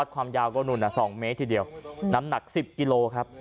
ความยาวก็นู่น๒เมตรทีเดียวน้ำหนัก๑๐กิโลครับ